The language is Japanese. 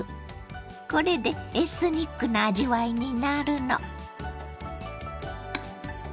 これでエスニックな味わいになるの。